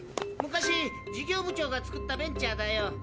昔事業部長が作ったベンチャーだよ。